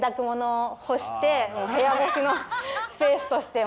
部屋干しのスペースとしても。